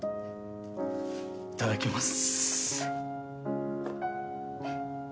いただきます。